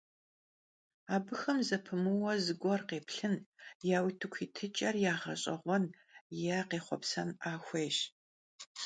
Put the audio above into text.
Abıxem zepımıuue zıguer khêplhın, ya vutıku yitıç'er yağeş'eğuen yê khêxhuepsen'a xuêyş.